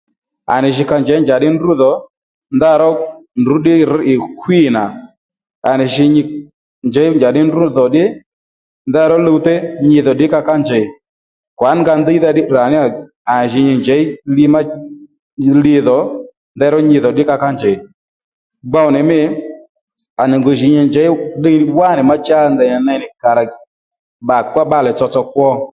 À nì jǐ ka njěy njàddí ndrǔ dhò ndèyró ndrǔ ddí rř ì nì hwî nà à nì jǐ nyi njěy njàddí ndrǔ dhò ddí ndeyró luwtéy nyi dhò ddí ka ká njèy kwǎn nga ndíydha ddí tdrà níyà à ji nyi njěy li má li dhò ndeyró nyi dhò ddí ka ká njěy gbow nì mî à nì ngu jǐ nyi jěy ddiy wá má cha ndèy nì ney nì kàrà à ká bbalè tsotso kwo